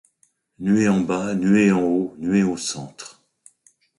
Nuée en bas, nuée en haut, nuée au centre ;